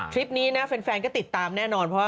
ทริปนี้นะเฟนก็ติดตามแน่นอน